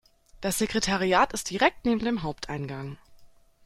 Das Sekretariat ist direkt neben dem Haupteingang.